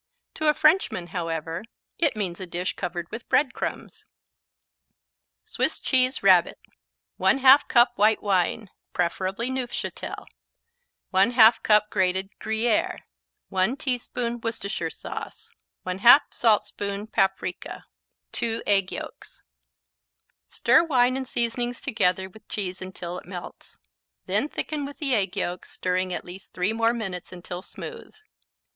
To a Frenchman, however, it means a dish covered with bread crumbs. Swiss Cheese Rabbit 1/2 cup white wine, preferably Neufchâtel 1/2 cup grated Gruyère 1 teaspoon Worcestershire sauce 1/2 saltspoon paprika 2 egg yolks Stir wine and seasonings together with the cheese until it melts, then thicken with the egg yolks, stirring at least 3 more minutes until smooth.